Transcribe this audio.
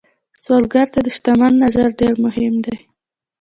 سوالګر ته د شتمن نظر ډېر مهم دی